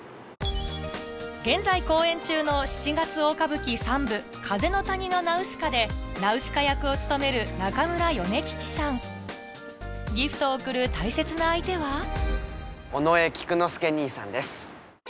現在公演中の七月大歌舞伎三部『風の谷のナウシカ』でナウシカ役を務めるギフトを贈る大切な相手は尾上菊之助兄さんです。